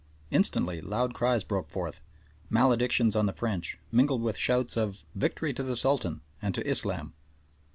Instantly loud cries broke forth, maledictions on the French, mingled with shouts of "Victory to the Sultan" and to Islam.